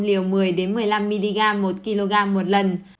liều một mươi một mươi năm mg một kg một lần